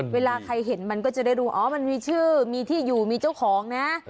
เวลาใครเห็นมันก็จะได้ดูอ๋อมันมีชื่อมีที่อยู่มีเจ้าของนะ